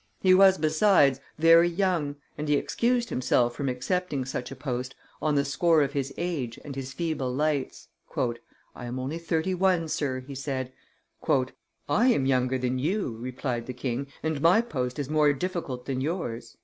He was, besides, very young, and he excused himself from accepting such a post on the score of his age and his feeble lights. "I am only thirty one, Sir," he said. "I am younger than you," replied the king, "and my post is more difficult than yours."